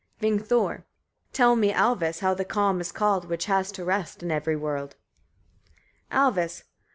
Vingthor. 22. Tell me, Alvis! etc., how the calm is called, which has to rest in every world. Alvis.